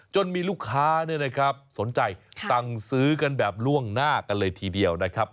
มีลูกค้าสนใจสั่งซื้อกันแบบล่วงหน้ากันเลยทีเดียวนะครับ